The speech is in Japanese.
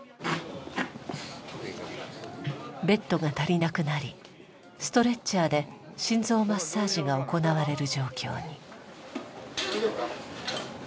ベッドが足りなくなりストレッチャーで心臓マッサージが行われる状況に。